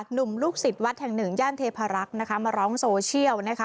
หนุ่มลูกศิษย์วัดแห่งหนึ่งย่านเทพารักษณ์มาร้องโซเชียล